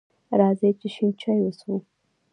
راځئ چې شین چای وڅښو!